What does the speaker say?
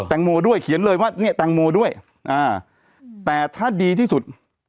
งโมด้วยเขียนเลยว่าเนี่ยแตงโมด้วยอ่าแต่ถ้าดีที่สุด